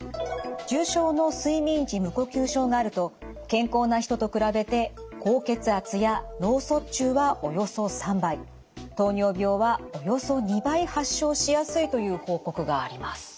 重症の睡眠時無呼吸症があると健康な人と比べて高血圧や脳卒中はおよそ３倍糖尿病はおよそ２倍発症しやすいという報告があります。